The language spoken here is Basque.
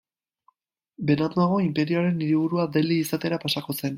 Beranduago, inperioaren hiriburua Delhi izatera pasako zen.